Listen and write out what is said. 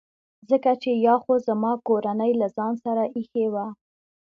ځکه چي یا خو زما کورنۍ له ځان سره ایښي وو.